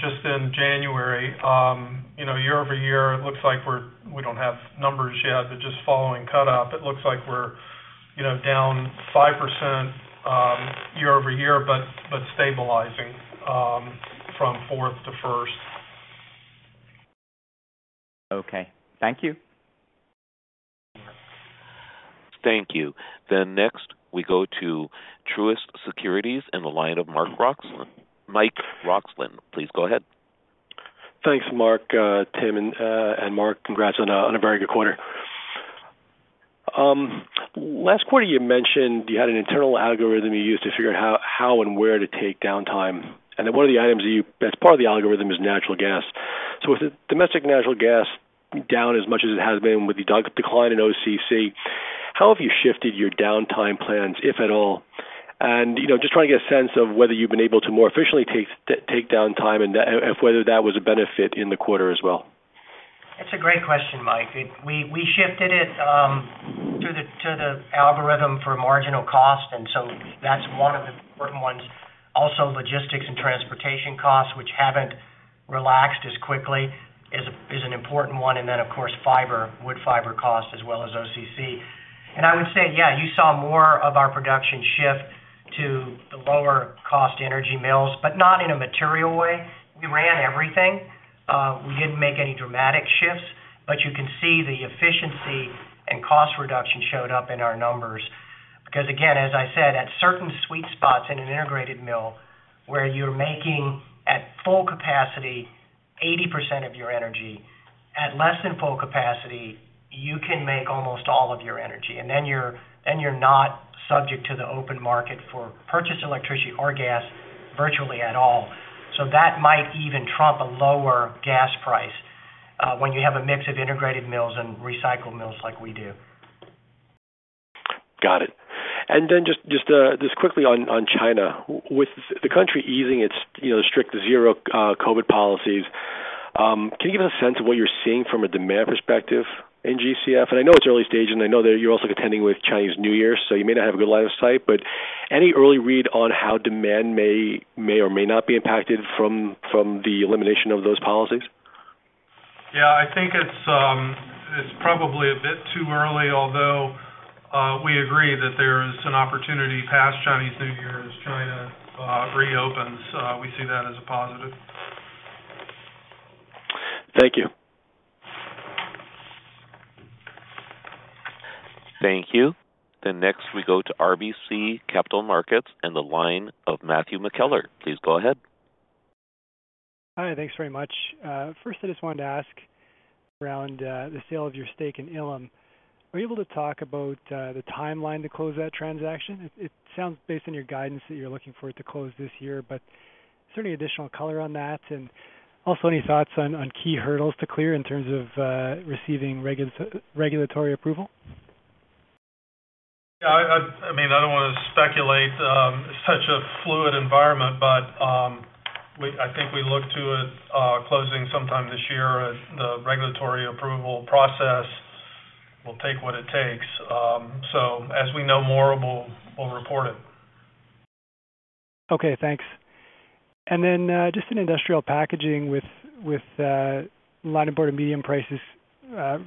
D: just in January, you know, year-over-year, it looks like we don't have numbers yet, but just following cut up, it looks like we're, you know, down 5% year-over-year, but stabilizing from fourth to first.
G: Okay. Thank you.
A: Thank you. Next we go to Truist Securities in the line of Mike Roxland. Mike Roxland, please go ahead.
H: Thanks, Mark. Tim and Mark, congrats on a very good quarter. Last quarter you mentioned you had an internal algorithm you used to figure out how and where to take downtime. One of the items as part of the algorithm is natural gas. With the domestic natural gas down as much as it has been with the decline in OCC, how have you shifted your downtime plans, if at all? You know, just trying to get a sense of whether you've been able to more efficiently take down time and whether that was a benefit in the quarter as well.
C: That's a great question, Mike. We shifted it to the algorithm for marginal cost. That's one of the important ones. Also, logistics and transportation costs, which haven't relaxed as quickly, is an important one. Then of course, fiber, wood fiber cost as well as OCC. I would say, yeah, you saw more of our production shift to the lower cost energy mills, but not in a material way. We ran everything. We didn't make any dramatic shifts. You can see the efficiency and cost reduction showed up in our numbers. Again, as I said, at certain sweet spots in an integrated mill where you're making at full capacity 80% of your energy, at less than full capacity, you can make almost all of your energy. Then you're not subject to the open market for purchased electricity or gas virtually at all. That might even trump a lower gas price, when you have a mix of integrated mills and recycled mills like we do.
H: Got it. Just quickly on China. With the country easing its, you know, strict zero COVID policies, can you give us a sense of what you're seeing from a demand perspective in GCF? I know it's early stage, I know that you're also contending with Chinese New Year, so you may not have a good line of sight. Any early read on how demand may or may not be impacted from the elimination of those policies?
D: Yeah, I think it's probably a bit too early, although, we agree that there's an opportunity past Chinese New Year as China reopens. We see that as a positive.
H: Thank you.
A: Thank you. Next we go to RBC Capital Markets and the line of Matthew McKellar. Please go ahead.
I: Hi, thanks very much. First, I just wanted to ask around the sale of your stake in Ilim. Are you able to talk about the timeline to close that transaction? It sounds based on your guidance that you're looking for it to close this year, but is there any additional color on that? Also any thoughts on key hurdles to clear in terms of receiving regulatory approval?
D: Yeah, I mean, I don't wanna speculate, such a fluid environment, but I think we look to it closing sometime this year. The regulatory approval process will take what it takes. As we know more, we'll report it.
I: Okay, thanks. Just in industrial packaging with linerboard and medium prices,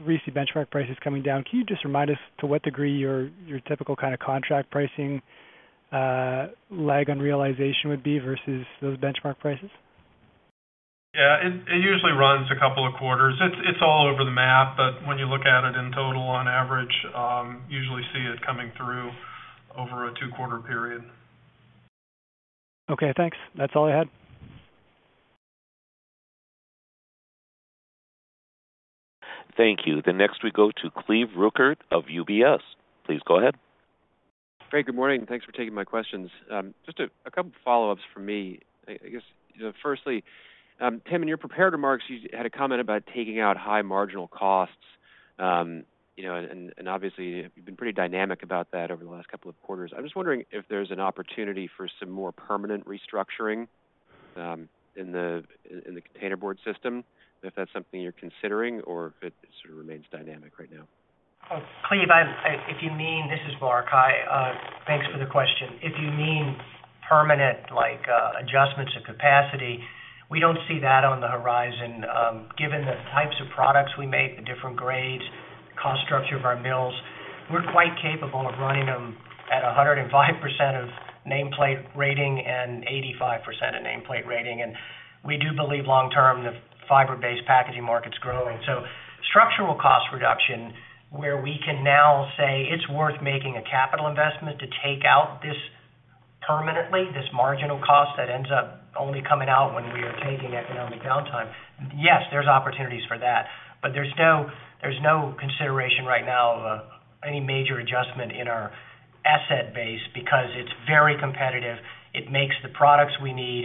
I: recent benchmark prices coming down, can you just remind us to what degree your typical kinda contract pricing, lag on realization would be versus those benchmark prices?
D: Yeah. It usually runs a couple of quarters. It's all over the map. When you look at it in total on average, usually see it coming through over a two-quarter period.
I: Okay, thanks. That's all I had.
A: Thank you. Next we go to Cleve Rueckert of UBS. Please go ahead.
J: Great, good morning. Thanks for taking my questions. Just a couple follow-ups from me. I guess, you know, firstly, Tim, in your prepared remarks, you had a comment about taking out high marginal costs, you know, and obviously you've been pretty dynamic about that over the last couple of quarters. I'm just wondering if there's an opportunity for some more permanent restructuring in the container board system, and if that's something you're considering or if it sort of remains dynamic right now.
C: Cleve, if you mean. This is Mark. Hi, thanks for the question. If you mean permanent, like, adjustments to capacity, we don't see that on the horizon. Given the types of products we make, the different grades-cost structure of our mills, we're quite capable of running them at 105% of nameplate rating and 85% of nameplate rating. We do believe long term, the fiber-based packaging market's growing. Structural cost reduction, where we can now say it's worth making a capital investment to take out this permanently, this marginal cost that ends up only coming out when we are taking economic downtime. Yes, there's opportunities for that, but there's no consideration right now of any major adjustment in our asset base because it's very competitive. It makes the products we need.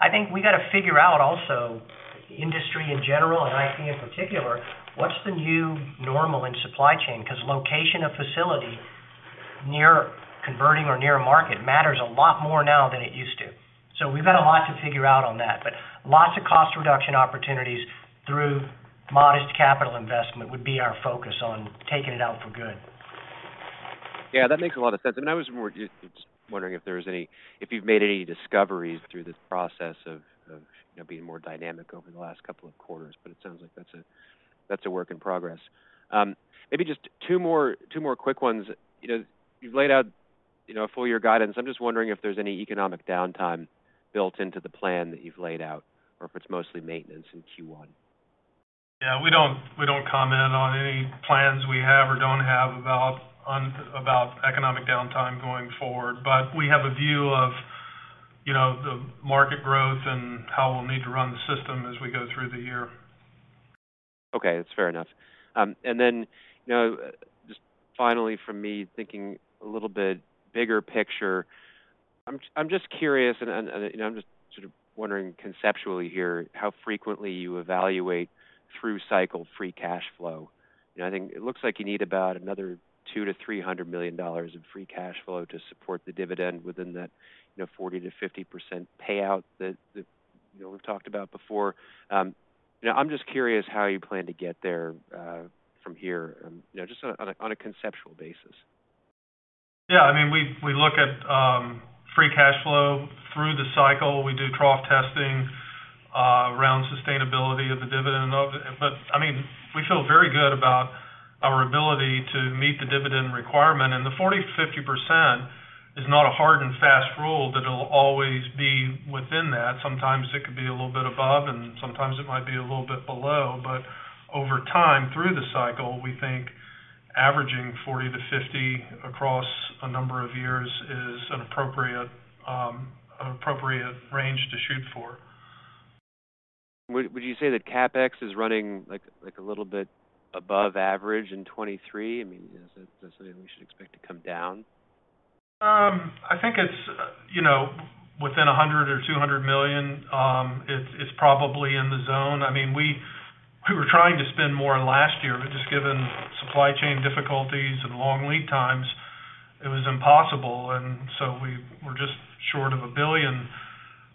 C: I think we got to figure out also industry in general, and IP in particular, what's the new normal in supply chain? Because location of facility near converting or near market matters a lot more now than it used to. We've got a lot to figure out on that. Lots of cost reduction opportunities through modest capital investment would be our focus on taking it out for good.
J: Yeah, that makes a lot of sense. I was more just wondering if there was any if you've made any discoveries through this process of, you know, being more dynamic over the last couple of quarters, but it sounds like that's a, that's a work in progress. Maybe just two more quick ones. You know, you've laid out, you know, a full year guidance. I'm just wondering if there's any economic downtime built into the plan that you've laid out or if it's mostly maintenance in Q1.
D: Yeah, we don't comment on any plans we have or don't have about economic downtime going forward. We have a view of, you know, the market growth and how we'll need to run the system as we go through the year.
J: Okay, that's fair enough. Then, you know, just finally from me thinking a little bit bigger picture, I'm just curious, and, you know, I'm just sort of wondering conceptually here, how frequently you evaluate through cycle free cash flow. You know, I think it looks like you need about another $200 million-$300 million in free cash flow to support the dividend within that, you know, 40%-50% payout that, you know, we've talked about before. You know, I'm just curious how you plan to get there from here, you know, just on a conceptual basis.
D: Yeah. I mean, we look at, free cash flow through the cycle. We do trough testing, around sustainability of the dividend. I mean, we feel very good about our ability to meet the dividend requirement. The 40%-50% is not a hard and fast rule that it'll always be within that. Sometimes it could be a little bit above, and sometimes it might be a little bit below. Over time, through the cycle, we think averaging 40%-50% across a number of years is an appropriate, an appropriate range to shoot for.
J: Would you say that CapEx is running, like a little bit above average in 2023? I mean, is that something we should expect to come down?
D: I think it's, you know, within $100 million-$200 million, it's probably in the zone. I mean, we were trying to spend more last year, but just given supply chain difficulties and long lead times, it was impossible. We were just short of $1 billion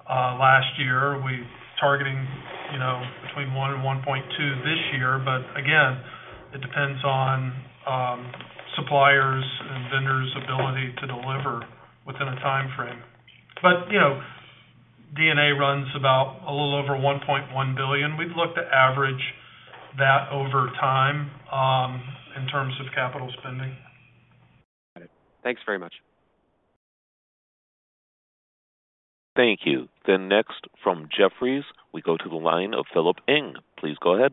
D: last year. We're targeting, you know, between $1 billion and $1.2 billion this year, but again, it depends on suppliers and vendors' ability to deliver within a timeframe. You know, D&A runs about a little over $1.1 billion. We'd look to average that over time, in terms of capital spending.
J: Got it. Thanks very much.
A: Thank you. Next from Jefferies, we go to the line of Philip Ng. Please go ahead.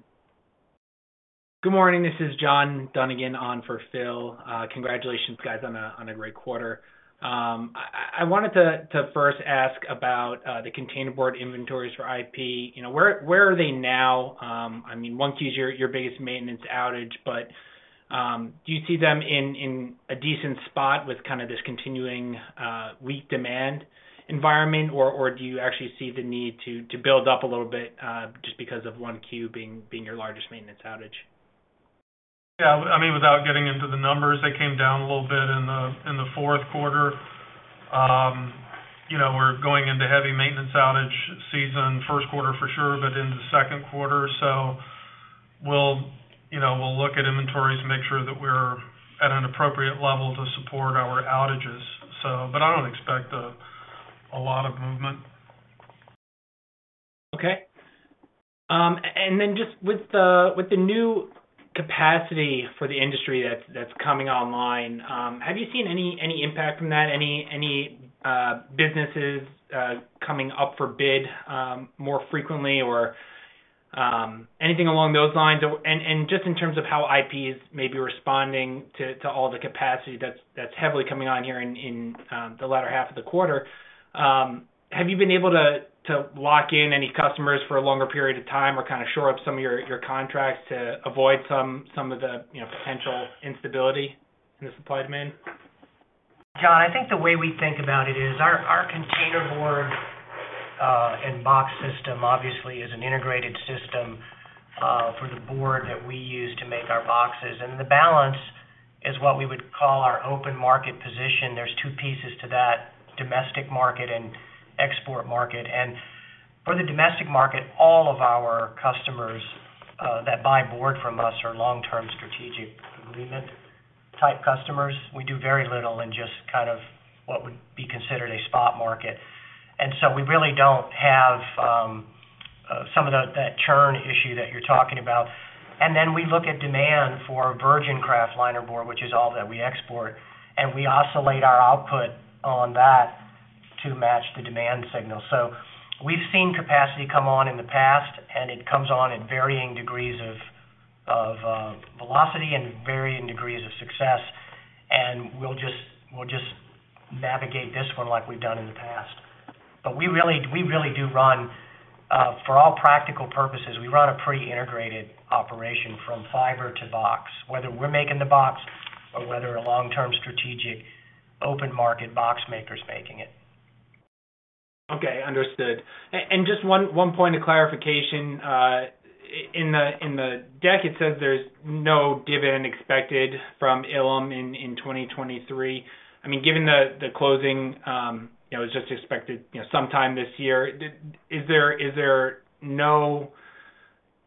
K: Good morning, this is John Dunigan on for Phil. Congratulations, guys on a great quarter. I wanted to first ask about the container board inventories for IP. You know, where are they now? I mean, 1Q's your biggest maintenance outage, but do you see them in a decent spot with kind of this continuing weak demand environment? Or do you actually see the need to build up a little bit just because of 1Q being your largest maintenance outage?
D: Yeah. I mean, without getting into the numbers, they came down a little bit in the fourth quarter. You know, we're going into heavy maintenance outage season, first quarter for sure, but into second quarter. We'll, you know, we'll look at inventories to make sure that we're at an appropriate level to support our outages. I don't expect a lot of movement.
K: Okay. Then just with the new capacity for the industry that's coming online, have you seen any impact from that? Any businesses coming up for bid more frequently or anything along those lines? Just in terms of how IP is maybe responding to all the capacity that's heavily coming on here in the latter half of the quarter, have you been able to lock in any customers for a longer period of time or kind of shore up some of your contracts to avoid some of the, you know, potential instability in the supply demand?
C: John, I think the way we think about it is our container board and box system obviously is an integrated system for the board that we use to make our boxes. The balance is what we would call our open market position. There's two pieces to that: domestic market and export market. For the domestic market, all of our customers that buy board from us are long-term strategic agreement-type customers. We do very little in just kind of what would be considered a spot market. We really don't have some of the churn issue that you're talking about. Then we look at demand for virgin kraft linerboard, which is all that we export, and we oscillate our output on that to match the demand signal. We've seen capacity come on in the past, and it comes on at varying degrees of velocity and varying degrees of success. We'll just navigate this one like we've done in the past. We really do run for all practical purposes, we run a pretty integrated operation from fiber to box, whether we're making the box or whether a long-term strategic open market box maker is making it.
K: Okay, understood. Just one point of clarification. In the deck, it says there's no dividend expected from Ilim in 2023. I mean, given the closing, you know, is just expected, you know, sometime this year, is there no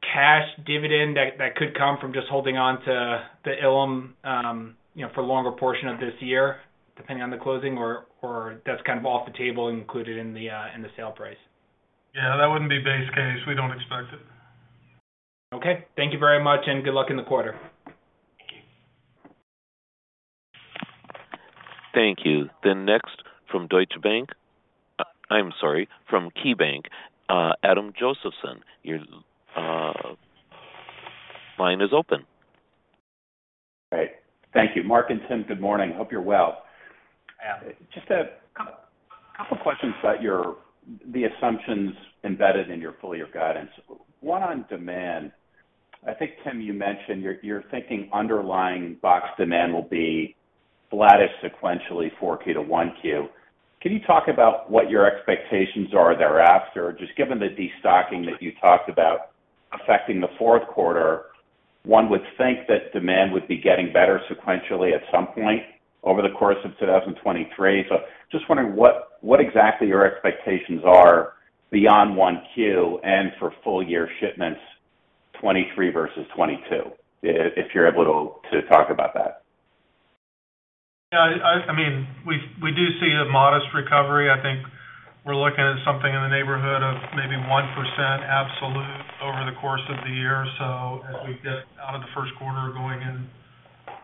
K: cash dividend that could come from just holding on to Ilim, you know, for a longer portion of this year, depending on the closing or that's kind of off the table included in the sale price?
D: Yeah, that wouldn't be base case. We don't expect it.
K: Okay. Thank you very much, and good luck in the quarter.
A: Thank you. Next from Deutsche Bank. I'm sorry, from KeyBanc, Adam Josephson, your line is open.
L: Great. Thank you. Mark and Tim, good morning. Hope you're well.
C: Yeah.
L: Just a couple questions about your the assumptions embedded in your full year guidance. One on demand. I think, Tim, you mentioned you're thinking underlying box demand will be flattish sequentially for 4Q to 1Q. Can you talk about what your expectations are thereafter? Just given the destocking that you talked about affecting the 4th quarter, one would think that demand would be getting better sequentially at some point over the course of 2023. Just wondering what exactly your expectations are beyond 1Q and for full year shipments 2023 versus 2022, if you're able to talk about that.
D: I mean, we do see a modest recovery. I think we're looking at something in the neighborhood of maybe 1% absolute over the course of the year. As we get out of the first quarter, going in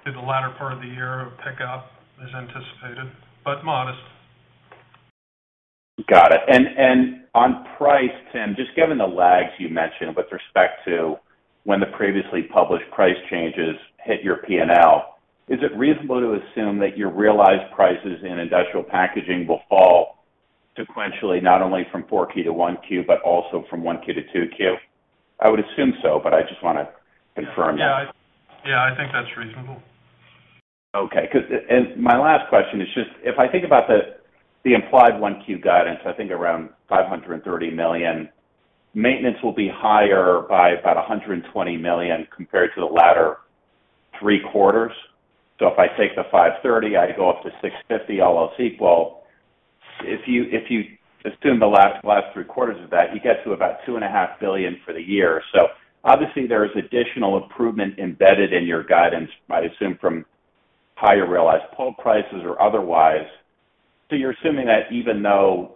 D: through the latter part of the year, a pickup is anticipated, but modest.
L: Got it. On price, Tim, just given the lags you mentioned with respect to when the previously published price changes hit your P&L, is it reasonable to assume that your realized prices in industrial packaging will fall sequentially, not only from 4Q to 1Q, but also from 1Q to 2Q? I would assume so, but I just wanna confirm that.
D: Yeah, I think that's reasonable.
L: Okay. My last question is just if I think about the implied 1Q guidance, I think around $530 million, maintenance will be higher by about $120 million compared to the latter three quarters. If I take the $530, I go up to $650, all else equal. If you assume the last three quarters of that, you get to about $2.5 billion for the year. Obviously, there's additional improvement embedded in your guidance, I assume, from higher realized pulp prices or otherwise. You're assuming that even though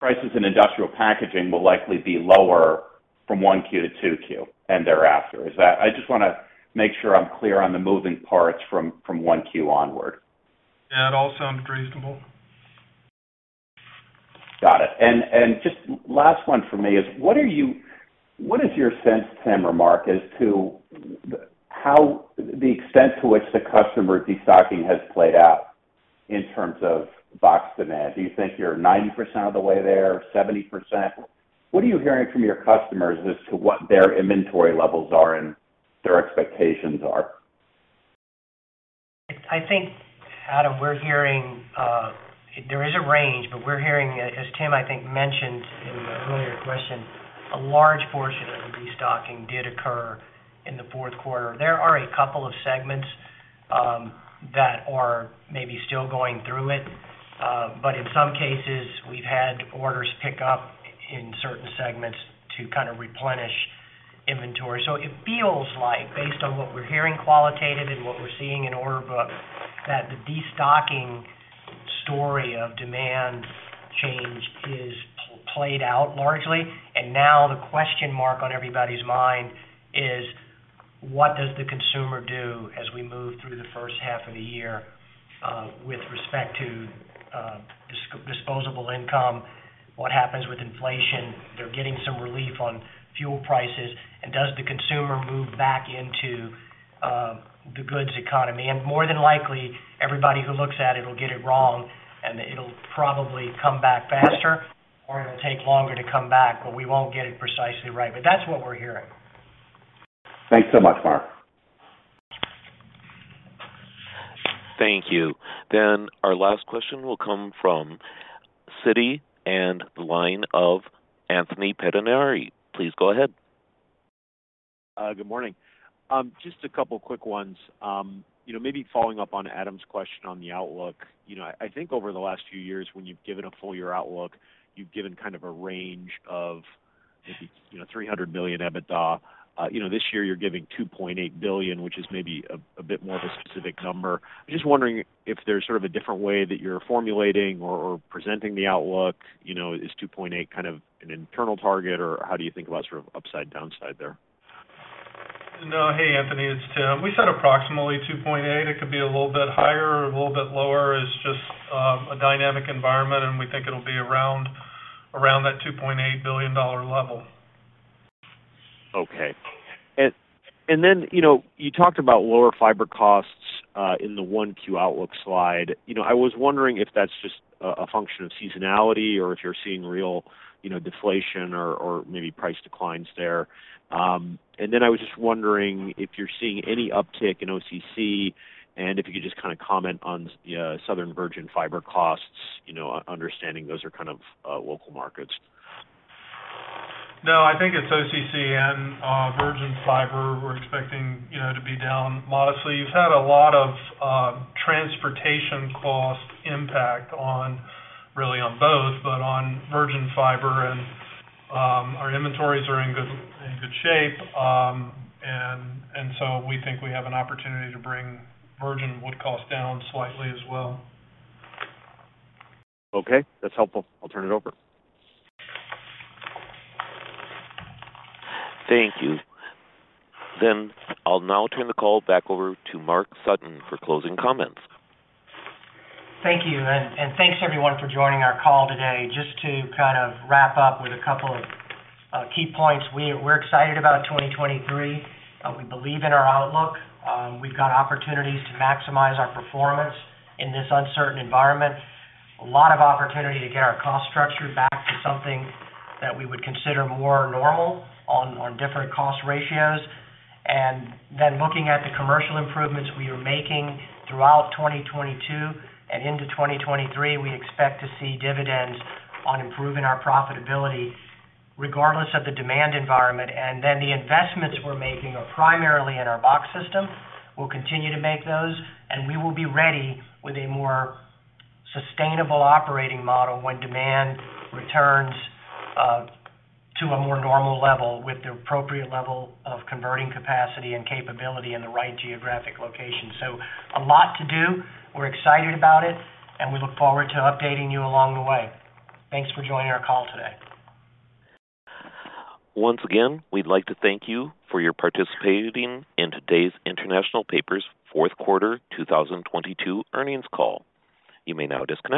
L: prices in industrial packaging will likely be lower from 1Q to 2Q and thereafter. I just wanna make sure I'm clear on the moving parts from 1Q onward.
D: Yeah, it all sounds reasonable.
L: Got it. Just last one for me is: What is your sense, Tim or Mark, as to how the extent to which the customer destocking has played out in terms of box demand? Do you think you're 90% of the way there? 70%? What are you hearing from your customers as to what their inventory levels are and their expectations are?
C: I think, Adam, we're hearing, there is a range, but we're hearing, as Tim, I think, mentioned in an earlier question, a large portion of the destocking did occur in the fourth quarter. There are a couple of segments, that are maybe still going through it. In some cases, we've had orders pick up in certain segments to kind of replenish inventory. It feels like based on what we're hearing qualitative and what we're seeing in order book, that the destocking story of demand change is played out largely. Now the question mark on everybody's mind is: What does the consumer do as we move through the first half of the year, with respect to disposable income? What happens with inflation? They're getting some relief on fuel prices. Does the consumer move back into the goods economy? More than likely, everybody who looks at it will get it wrong, and it'll probably come back faster or it'll take longer to come back, but we won't get it precisely right. That's what we're hearing.
L: Thanks so much, Mark.
A: Thank you. Our last question will come from Citi and the line of Anthony Pettinari. Please go ahead.
M: Good morning. Just a couple quick ones. You know, maybe following up on Adam's question on the outlook. You know, I think over the last few years when you've given a full year outlook, you've given kind of a range of maybe, you know, $300 million EBITDA. You know, this year you're giving $2.8 billion, which is maybe a bit more of a specific number. I'm just wondering if there's sort of a different way that you're formulating or presenting the outlook. You know, is $2.8 kind of an internal target, or how do you think about sort of upside downside there?
D: No. Hey, Anthony, it's Tim. We said approximately $2.8 billion. It could be a little bit higher or a little bit lower. It's just a dynamic environment. We think it'll be around that $2.8 billion level.
M: Okay. Then, you know, you talked about lower fiber costs in the 1Q outlook slide. You know, I was wondering if that's just a function of seasonality or if you're seeing real, you know, deflation or maybe price declines there. And then I was just wondering if you're seeing any uptick in OCC and if you could just kinda comment on the southern virgin fiber costs, you know, understanding those are kind of local markets.
D: No, I think it's OCC and virgin fiber we're expecting, you know, to be down modestly. You've had a lot of transportation cost impact really on both, but on virgin fiber and our inventories are in good shape. We think we have an opportunity to bring virgin wood cost down slightly as well.
M: Okay, that's helpful. I'll turn it over.
A: Thank you. I'll now turn the call back over to Mark Sutton for closing comments.
C: Thank you. Thanks everyone for joining our call today. Just to kind of wrap up with a couple of key points, we're excited about 2023. We believe in our outlook. We've got opportunities to maximize our performance in this uncertain environment. A lot of opportunity to get our cost structure back to something that we would consider more normal on different cost ratios. Looking at the commercial improvements we are making throughout 2022 and into 2023, we expect to see dividends on improving our profitability regardless of the demand environment. The investments we're making are primarily in our box system. We'll continue to make those. We will be ready with a more sustainable operating model when demand returns to a more normal level with the appropriate level of converting capacity and capability in the right geographic location. A lot to do. We're excited about it. We look forward to updating you along the way. Thanks for joining our call today.
A: Once again, we'd like to thank you for your participating in today's International Paper's fourth quarter 2022 earnings call. You may now disconnect.